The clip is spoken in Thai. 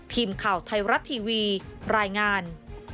ทีมข่าวไทยรัฐทีวีรายงาน